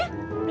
udah gini deh